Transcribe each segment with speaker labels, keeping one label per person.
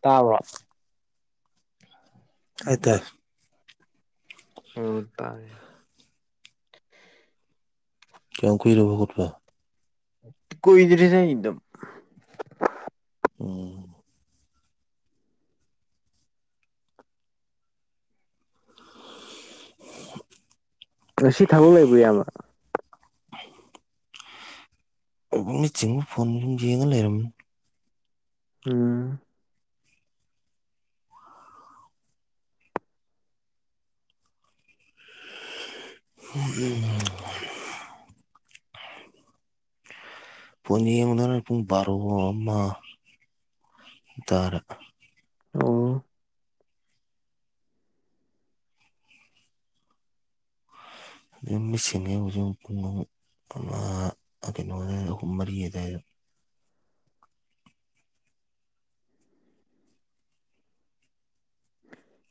Speaker 1: ꯇꯥꯕ꯭ꯔ?
Speaker 2: [unintelligible] ꯍꯥꯏ ꯇꯥꯏ
Speaker 1: ꯑ ꯇꯥꯏꯌꯦ
Speaker 2: ꯀꯌꯥꯝ ꯀꯨꯏꯔꯕ ꯈꯣꯠꯄ
Speaker 1: ꯀꯨꯏꯗꯔꯤꯗꯥꯏ [unintelligible]
Speaker 2: ꯎꯝ
Speaker 1: ꯉꯁꯤ ꯊꯕꯛ ꯂꯩꯕ꯭ꯔ‌ꯣ ꯏꯌꯥꯝꯕ
Speaker 2: [unintelligible] ꯆꯤꯡꯉ ꯐꯣꯟ ꯑꯗꯨꯨꯝ ꯌꯦꯡꯉ ꯂꯩꯔꯝ
Speaker 1: ꯎꯝ
Speaker 2: ꯎꯝ ꯎꯝ ꯐ‌ꯣꯟ ꯌꯦꯡꯕꯗꯅ ꯄꯨꯡ ꯕꯥꯔꯣ ꯑꯃ ꯇꯥꯔ‌ꯦ
Speaker 1: ꯑꯣ
Speaker 2: ꯑꯗꯨ ꯃꯤꯠꯁꯤꯡꯉ‌ꯦꯕ ꯍꯧꯖꯤꯛ ꯑꯃꯨꯛ ꯄꯨꯡ ꯑꯍꯨꯝ ꯑꯃ ꯀꯩꯅ‌ꯣ ꯑꯗꯥꯏꯗ ꯃꯔꯤ ꯑꯗꯥꯏꯗ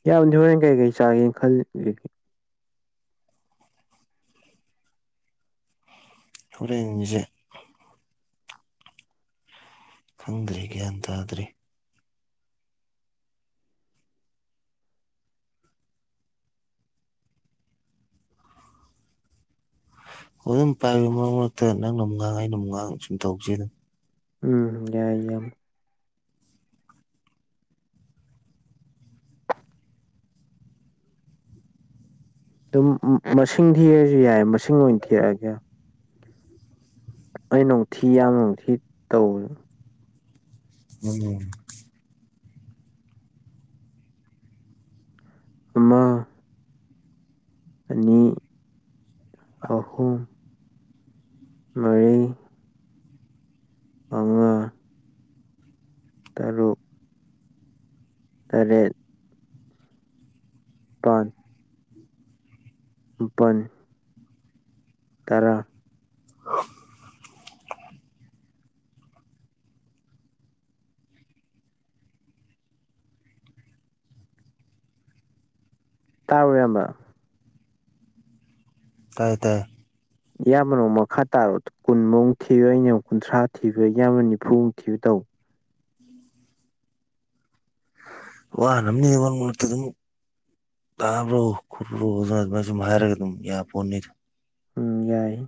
Speaker 1: ꯏꯌꯥꯝꯕꯗꯤ ꯍꯣꯔꯦꯟ ꯀꯩ ꯀꯩ ꯆꯥꯒꯦꯅ ꯈꯜꯂꯤꯒꯦ
Speaker 2: ꯍ‌ꯣꯏꯔꯦꯟꯒꯤꯁ‌ꯦ ꯈꯪꯗ꯭ꯔꯦ ꯒ꯭ꯌꯥꯟ ꯇꯥꯗ꯭ꯔꯤ [unintelligible] ꯃꯔꯛꯇ ꯅꯪꯅꯃꯨꯛ ꯉꯥꯡ ꯑꯩꯅ ꯃꯨꯛ‌ ꯉꯥꯡ ꯁꯨꯝ ꯇꯧꯁ‌ꯦ
Speaker 1: ꯎꯝ ꯌꯥꯏ ꯏꯌꯥꯝꯕ ꯑꯗꯨꯝ ꯃꯁꯤꯡ ꯊꯤꯔꯁꯨ ꯌꯥꯏ ꯃꯁꯤꯡ ꯑꯣꯏꯅ ꯊꯤꯔꯛꯑꯒꯦ ꯑꯩꯅꯃꯨꯛ ꯊꯤ ꯏꯌꯥꯝꯕꯅ ꯃꯨꯛ ꯊꯤ ꯇꯧꯕ
Speaker 2: ꯍ‌ꯣꯏꯅ‌ꯦ
Speaker 1: ꯑꯃ ꯑꯅꯤ ꯑꯍꯨꯝ ꯃꫪꯤ ꯃꯉꯥ ꯇꯔꯨꯛ ꯇꯔꯦꯠ ꯄꯥꯟ ꯃꯄꯟ ꯇꯔꯥ ꯇꯥꯕꯔ‌ꯣ ꯏꯌꯥꯝꯕ
Speaker 2: ꯇꯥꯏ ꯇꯥꯏ
Speaker 1: ꯏꯌꯥꯝꯕꯅ ꯑꯃꯨꯛ ꯃꯈꯥ ꯇꯥꯔ‌ꯣ ꯀꯨꯟꯃꯨꯛ ꯃꯨꯛ ꯊꯤꯗ‌ꯣꯏꯅꯤ ꯌ‌ꯦꯡꯉ‌ꯣ ꯀꯨꯟꯊ꯭ꯔꯥ ꯊꯤꯗ‌ꯣꯏꯁ‌ꯦ ꯏꯌꯥꯝꯕꯅ ꯅꯤꯐꯨ ꯊꯤꯕ ꯇꯧꯏ
Speaker 2: [unintelligible] ꯋꯥꯅꯕꯅꯤ ꯏꯕꯨꯡꯉ‌ꯣ ꯃꯛꯇ ꯑꯗꯨꯝ ꯇꯥꯕ꯭ꯔꯣ ꯈꯣꯠꯄ꯭ꯔꯣ ꯑꯗꯨꯅ ꯑꯗꯨꯃꯥꯏ ꯁꯨꯝ ꯍꯥꯏꯔꯒ ꯑꯗꯨꯝ ꯌꯥ ꯄꯣꯅꯤ
Speaker 1: ꯌꯥꯏ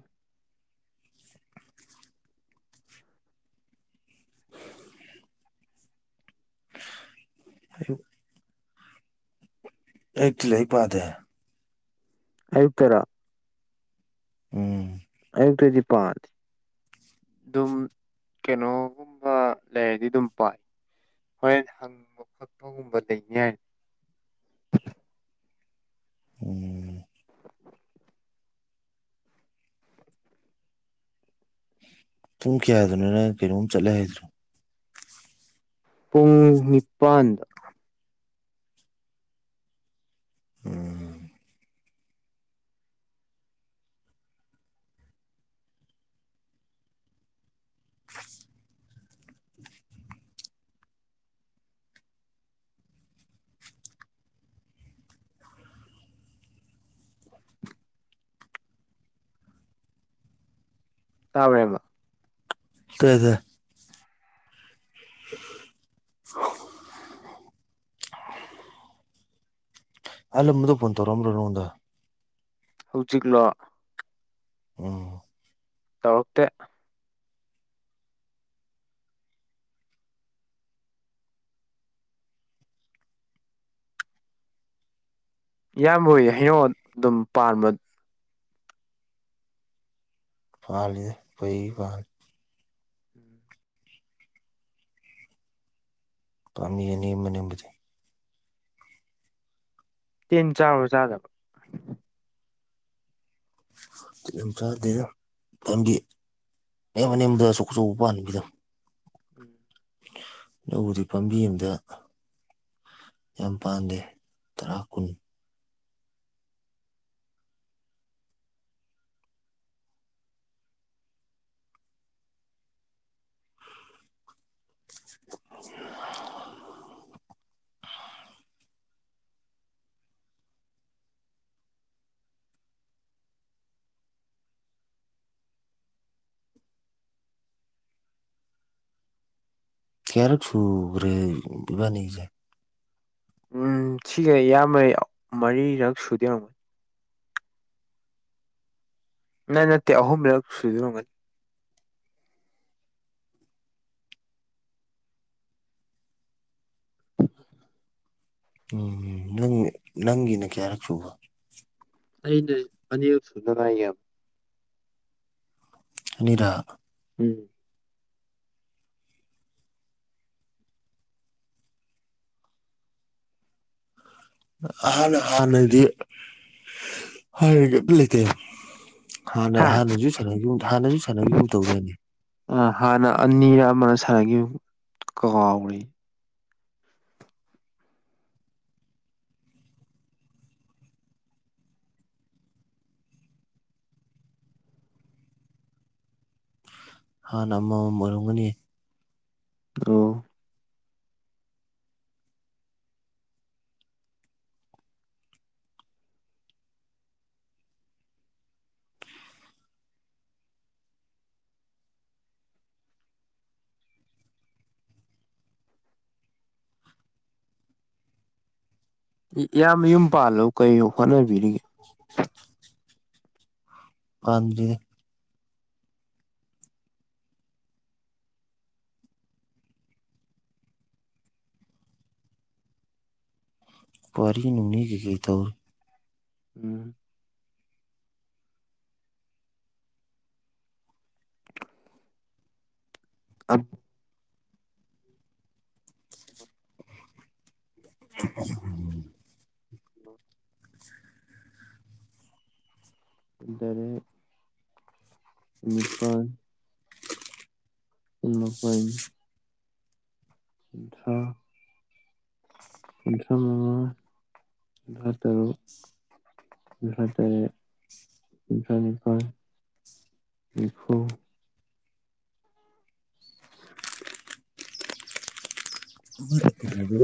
Speaker 2: ꯍꯥꯏꯣ ꯑꯌꯨꯛꯇꯤ‌ ꯂꯥꯏꯔꯤꯛ ꯄꯥꯗꯦ
Speaker 1: ꯑꯌꯨꯛ
Speaker 2: ꯎꯝ
Speaker 1: ꯑꯌꯨꯛꯇꯗꯤ ꯄꯥꯗꯦ ꯑꯗꯨꯝ ꯀꯩꯅꯣꯒꯨꯝꯕ ꯂꯩꯔꯗꯤ ꯑꯗꯨꯝ ꯄꯥꯏ ꯍꯣꯏꯔ‌ꯦꯟ ꯍꯪꯕ ꯈꯣꯠꯄꯒꯨꯝꯕ ꯂꯩꯅꯤ ꯍꯥꯏꯔꯗꯤ
Speaker 2: ꯎꯝ ꯄꯨꯡ ꯀꯌꯥꯗꯅ‌ꯣ ꯅꯪ ꯀꯩꯅꯣꯝ ꯆꯠꯂꯦ ꯍꯥꯏꯁ‌ꯦ
Speaker 1: ꯄꯨꯡ ꯅꯤꯄꯥꯟꯗ
Speaker 2: ꯎꯝ
Speaker 1: ꯇꯥꯕꯔ ꯏꯌꯥꯝꯕ
Speaker 2: [unintelligible] [unintelligible] ꯑꯜꯂ ꯃꯗ ꯐꯣꯟ ꯇꯧꯝ ꯔ ꯅꯅꯉꯗ
Speaker 1: ꯍꯧꯖꯤꯛꯂꯣ
Speaker 2: ꯑꯣ
Speaker 1: ꯇꯧꯔꯛꯇꯦ ꯏꯌꯥꯝꯕ ꯍꫭꯏ ꯍꯩꯅꯧ ꯑꯗꯨꯝ ꯄꯥꯟꯕ
Speaker 2: ꯐꯜꯂꯤꯗ ꯄꯩ ꯀ ꯄꯥꯝꯕꯤ ꯑꯅꯦꯝꯕ ꯅꯦꯝꯕꯗꯤ
Speaker 1: ꯇꯦꯟ ꯆꯥꯔ ꯆꯥꯗꯕ
Speaker 2: ꯆꯥꯗꯅ ꯅꯪꯒꯤ ꯑꯦꯝ ꯑꯅꯦꯝꯕꯥꯗ ꯑꯆꯧ ꯑꯆꯧꯕ ꯄꯥꯟꯕꯤꯗꯣ
Speaker 1: [inaudible]
Speaker 2: ꯂꯧꯎꯗꯤ ꯄꯥꯝꯕꯤ ꯑꯝꯗ ꯌꯥꯝ ꯄꯥꯥꯟꯝꯗꯦ ꯇꯔꯥ ꯀꯨꯟ [unintelligible] ꯀꯦꯌꯥꯔꯦꯠ ꯁꯨꯒ꯭ꯔꯦ ꯏꯕꯥꯅꯤꯖꯦ
Speaker 1: ꯎꯝ ꯁꯤꯒ ꯏꯌꯥꯝꯕꯩ ꯃꯔꯤꯔꯛ ꯁꯨꯗꫭꯏꯔꯝꯒꯅꯤ ꯅꯥ ꯅꯠꯇꯦ ꯑꯍꯨꯝꯔꯛ ꯁꯨꯗꫭꯏ ꯔꯝꯒꯅꯤ [inaudible]
Speaker 2: ꯎꯝ ꯅꯪ ꯅꯪꯒꯤꯅ ꯀꯌꯥꯔꯛ ꯁꯨꯕ
Speaker 1: ꯑꯩꯅ ꯑꯅꯤꯔꯛ ꯁꯨꯗꯥ ꯉꯥꯏꯔꯤ
Speaker 2: ꯑꯅꯤꯗ
Speaker 1: ꯎꯝ
Speaker 2: ꯑꯅ ꯍꯥꯟꯅꯗꯤ ꯍꯒ ꯂꯩꯇꯦ ꯍꯥꯟꯅ
Speaker 1: ꯍꯥ
Speaker 2: ꯍꯥꯟꯅꯁꯨ ꯁꯥꯟꯅꯈꯤꯕꯒ ꯍꯥꯟꯅꯁꯨ ꯁꯥꯟꯅꯈꯤꯕꯒꯨꯝ ꯇꯧꯗꯣꯏꯅꯦ
Speaker 1: ꯑ ꯍꯥꯟꯅ ꯑꯅꯤꯔ ꯑꯃꯅ ꯁꯥꯟꯅ ꯀꯥꯎꯔꯤ
Speaker 2: ꯍꯥꯟꯅ ꯑꯃꯃꯝ ꯑꯣꯏꯔꯝꯒꯅꯤ
Speaker 1: ꯑꯣ ꯏꯌꯥꯝꯕꯥ ꯌꯨꯝ ꯄꯥꯜꯂꯣ ꯀꯩ ꯍꯣꯠꯅꯕꯤꯔꯤꯒꯦ
Speaker 2: [inaudible] [unintelligible] ꯀ ꯄꯨꯋꯥꯔꯤꯅꯅꯤꯒꯩ ꯇꯧ
Speaker 1: ꯎꯝ ꯑꯝ
Speaker 2: [inaudible]
Speaker 1: ꯑ
Speaker 2: [inaudible]
Speaker 1: ꯏꯗꯔ ꯅꯤꯄꯜ ꯑꯗꯨꯅꯈꯣꯏ ꯊ ꯄꯟꯁꯝꯃꯉꯥ ꯍꯖꯔꯣ ꯏꯐ ꯏꯐꯐꯣꯏ ꯑꫭ
Speaker 2: ꯑꯩ ꯌꯨꯕꯤ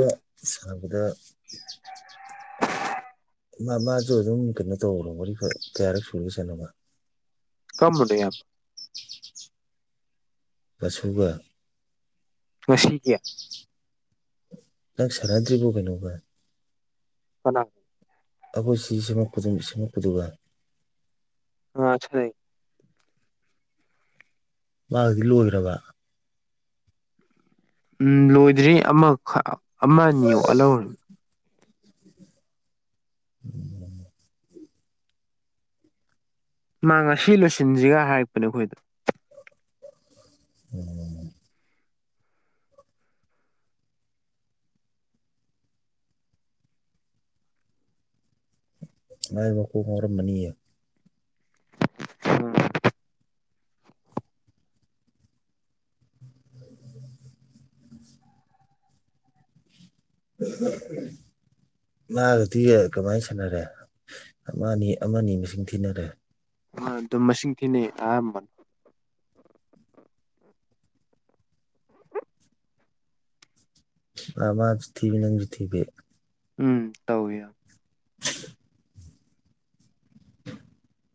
Speaker 2: ꯁꯥꯕꯗ [unintelligible] ꯃꯥ ꯃꯥꯁꯨ ꯑꯗꯨꯝ ꯀꯩꯅꯣ ꯇꯧꯕꯔꯣ ꯃꯉ ꯀꯌꯥꯔꯛ ꯁꯨꯔꯤꯁꯅꯣꯃ
Speaker 1: ꯀꯔꯝꯕꯥꯅꫭ ꯌꯥꯝ
Speaker 2: ꯃꯁꯨꯒ
Speaker 1: ꯉꯁꯤꯒꯤ
Speaker 2: ꯅꯪ ꯁꯥꯟꯗ꯭ꯔꯤꯕꯣ ꯀꯩꯅꯣꯕ
Speaker 1: ꯀꯥꯅꯥ
Speaker 2: ꯑꯩꯈꯣꯏꯁꯤ ꯁꯃꯛꯄ ꯏꯁꯩꯃꯛꯄꯨꯗꯨꯒ
Speaker 1: ꯑ
Speaker 2: ꯃꯥꯒꯗꯤ ꯂꯣꯏꯈ꯭ꯔꯕ
Speaker 1: ꯎꯝ ꯂꯣꯏꯗ꯭ꯔꯤ ꯑꯃꯈ
Speaker 2: ꯍꯣꯏ ꯎꯝ
Speaker 1: ꯃꯥ ꯉꯁꯤ ꯂꯣꯏꯁꯤꯟꯁꯤꯒ ꯍꯥꯏꯔꯛꯄꯅꯦ ꯑꯩꯈꯣꯏꯗ
Speaker 2: ꯃ ꯃꯕꯈꯨ ꯃꯔꯔꯝꯕꯅꯤꯌꯦ [inaudible] ꯎ ꯃꯥꯒꯗꯤ ꯀꯃꯥꯏꯅ ꯁꯥꯟꯅꯔꯦ ꯑꯃꯅꯤ ꯑꯃꯅꯤ ꯃꯁꯤꯡ ꯊꯤꯅꯔꯦ
Speaker 1: ꯑ ꯑꯗꯨꯝ ꯃꯁꯤꯡ ꯊꯤꯅꯩ ꯑꯝꯕ
Speaker 2: ꯑꯃꯁꯨꯇꯤꯕꯤ ꯅꯪꯁꯨꯇꯕꯦ
Speaker 1: ꯎꯝ ꯇꯧꯋꯦ
Speaker 2: [inaudible] [inaudible]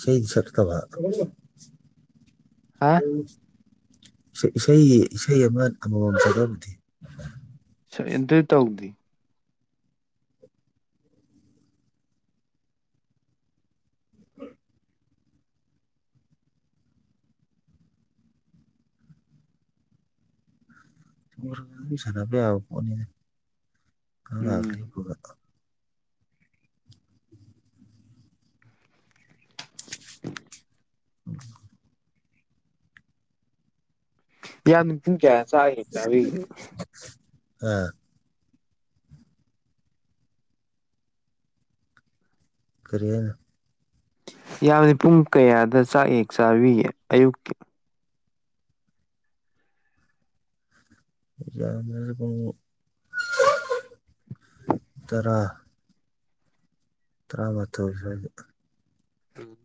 Speaker 2: ꯁꯤ ꯁꯠꯀꯕ
Speaker 1: ꯍꯥꯥ
Speaker 2: ꯏꯁꯩꯒꯤ ꯏꯁꯩ ꯑꯃ ꯑꯃꯃꯝ ꯁꯕꯨꯗꯤ
Speaker 1: ꯏꯟꯇ ꯇꯧꯗꯤ
Speaker 2: ꯁꯥꯟꯅꯕꯅꯕ ꯌꯥꯕ ꯐꯣꯠꯅꯤꯗ ꯀꯔꯒ
Speaker 1: ꯎꯝ
Speaker 2: ꯎꯝ
Speaker 1: ꯌꯥꯅ ꯄꯨꯨꯡ ꯀꯌꯥ ꯆ ꯍ ꯆ
Speaker 2: ꯑꯝ ꯀꯔꯤꯅ
Speaker 1: ꯌꯥꯕꯗꯤ ꯄꯨꯡ ꯀꯌꯥꯗ ꯆꯥꯛ ꯌꯦꯦꯛ ꯆꯥꯕꯤꯌꯦ ꯑꯌꯨꯛꯀꯤ
Speaker 2: ꯌꯥꯀꯨꯝ ꯇꯔꯥ ꯇꯔꯥꯃꯥꯊꯣꯏ ꯁ꯭ꯋꯥꯏꯗ
Speaker 1: ꯎꯝ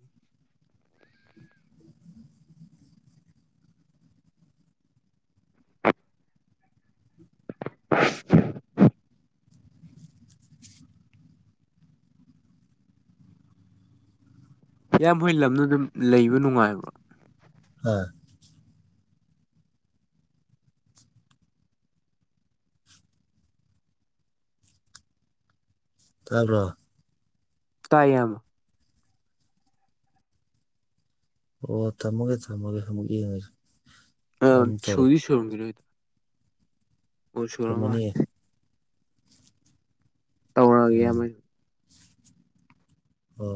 Speaker 1: [inaudible] ꯍ ꯃꯣꯏ ꯂꯝꯅ ꯑꯗꯨꯝ ꯂꯩꯕ ꯅꯨꯡꯉꯥꯏꯕ꯭ꯔꯣ
Speaker 2: ꯍꯣꯏ ꯇꯥꯕ꯭ꯔꯣ
Speaker 1: ꯇ
Speaker 2: ꯑꯣ ꯇꯝꯃꯒꯦ ꯊꯝꯃꯒꯦ ꯊꯝꯃꯒꯦ ꯌꯦꯡꯉꯁꯨ
Speaker 1: ꯑ ꯁꯨꯔꯤ ꯁꯨꯔꯝꯒꯤꯔꯗ ꯑꯣ ꯁꯨꯔꯃ
Speaker 2: ꯇꯧꯔꯛꯈ꯭ꯔꯃꯅꯤ
Speaker 1: ꯇꯧꯔꯒꯦ
Speaker 2: ꯎꯝ
Speaker 1: ꯑꯃ
Speaker 2: ꯍꯣꯏ